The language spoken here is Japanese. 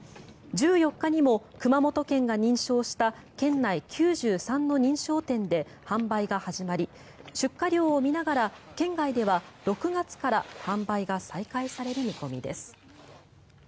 １４日にも熊本県が認証した県内９３の認証店で販売が始まり出荷量を見ながら県内では６月から販売が再開される見込みです。